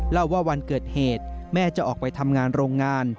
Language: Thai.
เล่าว่าวันเกิดเหตุแม่จะออกไปทำงานโรงงาน